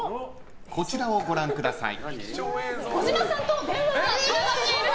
こちらをご覧ください。